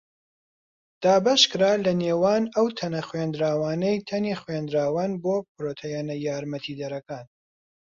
دابەشکرا لە نێوان ئەو تەنە خوێندراوانەی تەنی خوێندراوەن بۆ پڕۆتیەنە یارمەتیدەرەکان.